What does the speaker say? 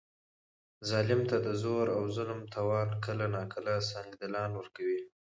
ظالم ته د زور او ظلم توان کله ناکله سنګدلان ورکوي.